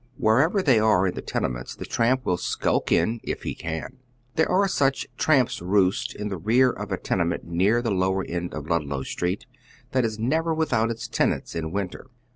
Wherever they are in the tenements the tramp will skulk in, if he can. There is such a tramps' roost in the rear of a tenement near the lower end of Ludlow Street, that is never without its tenants in winter.